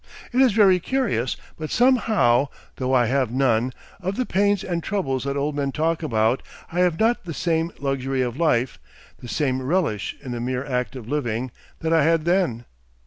It is very curious, but somehow, though I have none, of the pains and troubles that old men talk about, I have not the same luxury of life the same relish in the mere act of living that I had then.